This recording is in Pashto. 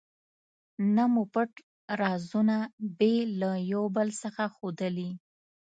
نه مو پټ رازونه بې له یو بل څخه ښودلي.